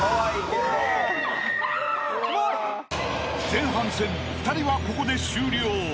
［前半戦２人はここで終了］